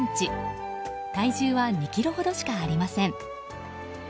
体重は２ｋｇほどしかありません。